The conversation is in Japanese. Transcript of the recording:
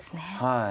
はい。